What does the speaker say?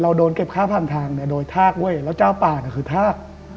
โดนเก็บค่าผ่านทางเนี่ยโดยทากเว้ยแล้วเจ้าป่าเนี่ยคือทาก